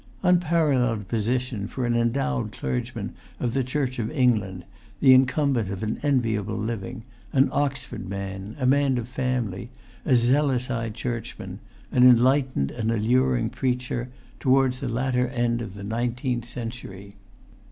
Unparalleled position for an endowed clergyman of the Church of England, the incumbent of an enviable living, an Oxford man, a man of family, a zealous High Churchman, an enlightened and alluring preacher, towards the latter end of the nineteenth century!